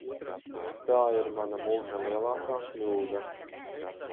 Tā ir mana mūža lielākā kļūda.